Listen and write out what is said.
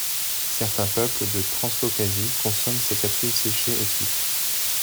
Certains peuples de Transcaucasie consomment ses capsules séchées et cuites.